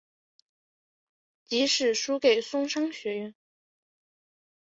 即使输给松商学园。